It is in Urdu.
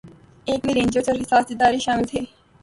ایک میں رینجرز اور حساس ادارے شامل تھے